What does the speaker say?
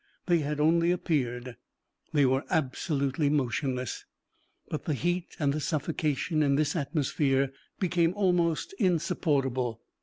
They had only appeared. They were absolutely motionless. But the heat and the suffocation in this atmosphere became almost insupportable.